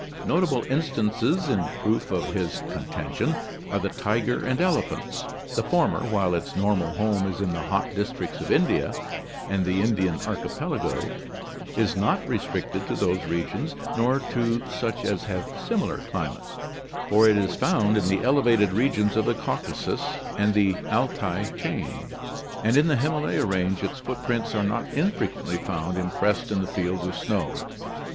Notable instances in proof of his contention are the tiger and elephants. The former, while its normal home is in the hot districts of India and the Indian archi pelago, is not restricted to those regions nor to such as have similar climates, for it is found "in the elevated regions of the Caucasus and the Altai chain, and in the Himalaya range its footprints are not infrequently found impressed in the fields of snow.